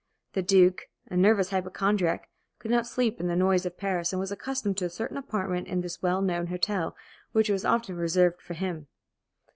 The Duke, a nervous hypochondriac, could not sleep in the noise of Paris, and was accustomed to a certain apartment in this well known hotel, which was often reserved for him.